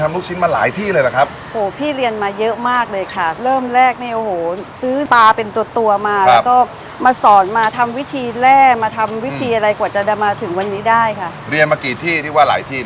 เรียนมากี่ที่ที่ว่าหลายที่เนี่ย